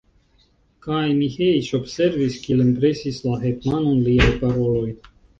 Kaj Miĥeiĉ observis, kiel impresis la hetmanon liaj paroloj.